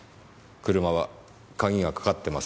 車は鍵がかかってますかねぇ？